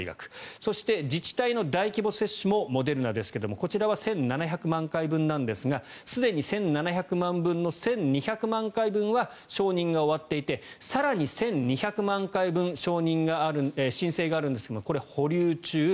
そして自治体の大規模接種もモデルナですがこちらは１７００万回分ですがすでに１２００万回分の承認は終わっていて更に１２００万回分申請があるんですがこれ、保留中。